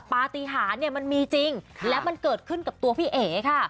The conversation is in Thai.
ปฏิหารเนี่ยมันมีจริงและมันเกิดขึ้นกับตัวพี่เอ๋ค่ะ